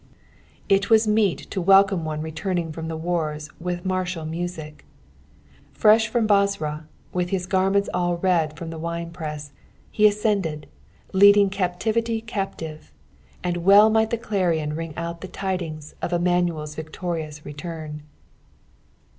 It was meet to welcome one returning from the wars with martial music. Fresh from Bozrah, with his garmentB all red from the winepress, he ascended, leading captivity captive, and well might the clarion liug out the tidings of Immanuers victorious return.